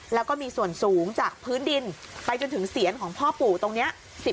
แล้วก็มีส่วนสูงจากพื้นดินไปจนถึงเสียนของพ่อปู่ตรงนี้